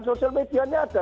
sosial medianya ada